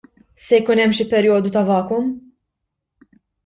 Se jkun hemm xi perjodu ta' vacuum?